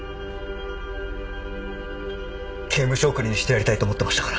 刑務所送りにしてやりたいと思ってましたから。